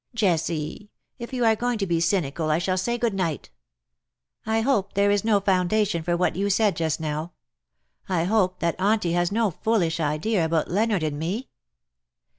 " Jessie, if you are going to be cynical I shall say good night. I hope there is no foundation for what you said just now. I hope that Auntie has no foolish idea about Leonard and me."